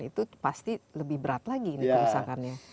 itu pasti lebih berat lagi ini kerusakannya